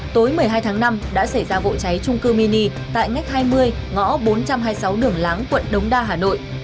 tối một mươi hai tháng năm đã xảy ra vụ cháy trung cư mini tại ngách hai mươi ngõ bốn trăm hai mươi sáu đường láng quận đống đa hà nội